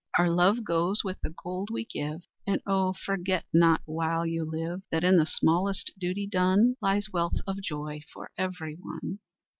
Our love goes with the gold we give, And oh! forget not while you live, That in the smallest duty done Lies wealth of joy for everyone."